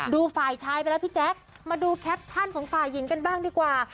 ฝ่ายชายไปแล้วพี่แจ๊คมาดูแคปชั่นของฝ่ายหญิงกันบ้างดีกว่า